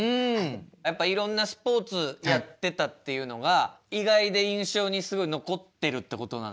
やっぱいろんなスポーツやってたっていうのが意外で印象にすごい残ってるってことなのかな？